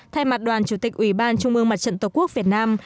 thay mặt đoàn chủ tịch ủy ban trung ương mặt trận tổ quốc việt nam